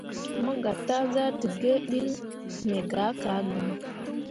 Mo gah taa zahdǝǝge ɓiile me gah ka gŋ.